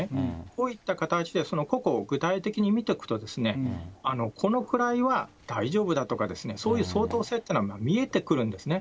こういった形で個々を具体的に見ていくと、このくらいは大丈夫だとか、そういう相当性というのが見えてくるんですね。